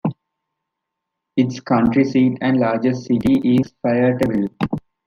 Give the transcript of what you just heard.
Its county seat and largest city is Fayetteville.